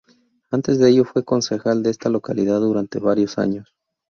Antes de ello, fue concejal de esta localidad durante varios años.